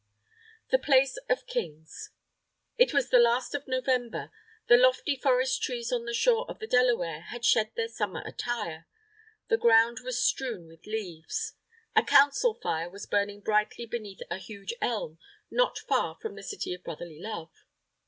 THE PLACE OF KINGS It was the last of November. The lofty forest trees on the shore of the Delaware had shed their summer attire. The ground was strewn with leaves. A Council fire was burning brightly beneath a huge Elm, not far from the City of Brotherly Love.